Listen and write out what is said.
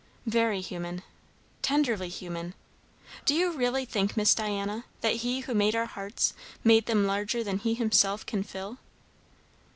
"Very human tenderly human. Do you really think, Miss Diana, that he who made our hearts, made them larger than he himself can fill?"